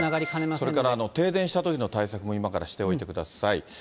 それから停電したときの対策も今からしておいてください。